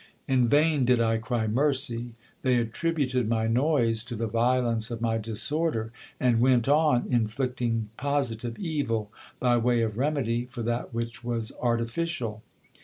In vain did I cry mercy ; they attributed my noise to the violence of my disorder, and went on inflicting positive evil by way of remedy for that which was artificial.